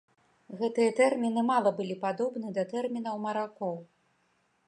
Гэтыя тэрміны мала былі падобны да тэрмінаў маракоў.